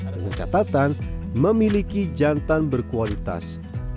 dengan catatan memiliki jantan berkualitas